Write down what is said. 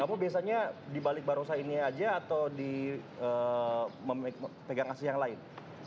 kamu biasanya di balik barongsai ini aja atau di pegang asli yang lain